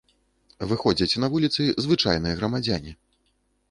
Выходзяць на вуліцы звычайныя грамадзяне.